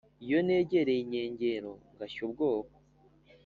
Iyo negerey’ inkengero ngashy’ ubwoba,